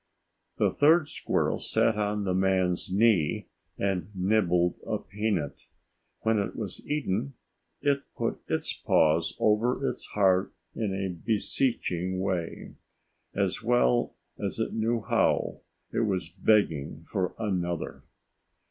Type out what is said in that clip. The third squirrel sat on the man's knee and nibbled a peanut. When it was eaten, it put its paws over its heart in a beseeching way. As well as it knew how, it was begging for another.